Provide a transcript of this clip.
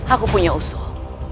aku punya usul